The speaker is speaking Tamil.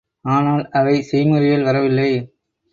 ஆனால் அவை செய்முறையில் வரவில்லை.